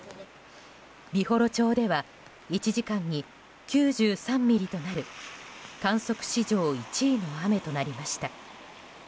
美幌町では１時間に９３ミリとなる観測史上１位の雨となりました。